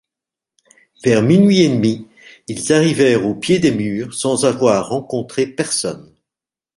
Vers minuit et demi, ils arrivèrent au pied des murs sans avoir rencontré personne.